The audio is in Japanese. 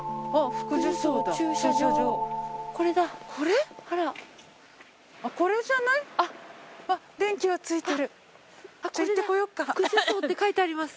福寿荘って書いてあります。